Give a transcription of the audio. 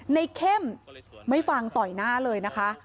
เข้มไม่ฟังต่อยหน้าเลยนะคะ